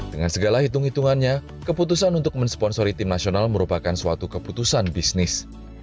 dengan segala hitung hitungannya keputusan untuk mensponsori tim nasional merupakan suatu keputusan bisnis